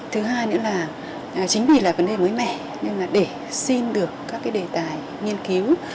thứ hai nữa là chính vì là vấn đề mới mẻ nên là để xin được các cái đề tài nghiên cứu